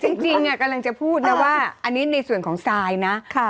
จริงกำลังจะพูดนะว่าอันนี้ในส่วนของซายนะ